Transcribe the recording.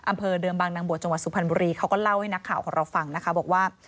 อำเภอเดิมบางนางบวชจังหวัดสุพรรณบุรีเขาก็เล่าให้นักข่าวของเราฟังนะคะบอกว่า